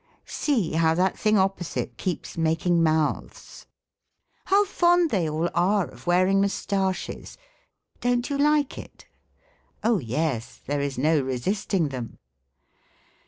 " See, how that thing opposite keeps making mouths." " How fond they all are of wearing mustaches ! Don't you like it 1" " Oh, yes ! there is no resisting them."